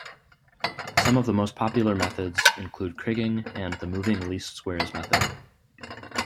Some of the most popular methods include Kriging and the moving least squares method.